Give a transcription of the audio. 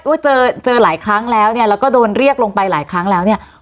ว่าเจอเจอหลายครั้งแล้วเนี่ยแล้วก็โดนเรียกลงไปหลายครั้งแล้วเนี่ย